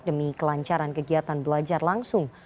demi kelancaran kegiatan belajar langsung